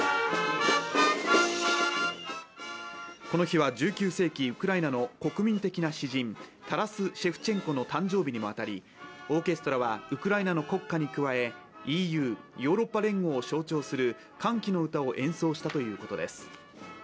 この日は１９世紀ウクライナの国民的な詩人、タラス・シェフチェンコの誕生日にも当たりオーケストラはウクライナの国歌に加えＥＵ＝ヨーロッパ連合を象徴する「歓喜の歌」を演奏したということです。